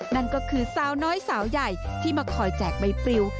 นั่นก็คือสาวน้อยสาวใหญ่ที่มาคอยแจกใบปริว